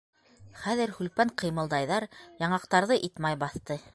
- Хәҙер һүлпән ҡыймылдайҙар, яңаҡтарҙы ит-май баҫты.